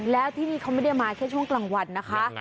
แล้วที่นี่เขาไม่ได้มาแค่ช่วงกลางวันนะคะ